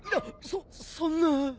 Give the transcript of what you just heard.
そそんな。